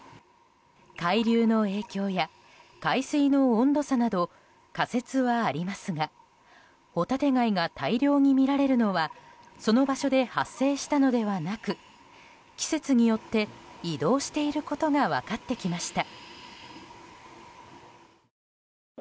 海流の影響や海水の温度差など仮説はありますがホタテ貝が大量に見られるのはその場所で発生したのではなく季節によって移動していることが分かってきました。